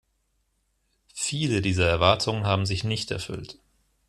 Viele dieser Erwartungen haben sich nicht erfüllt.